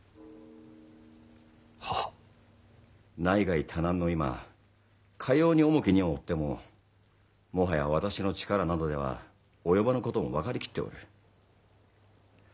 内外多難の今かように重き荷を負ってももはや私の力などでは及ばぬことも分かりきっておる。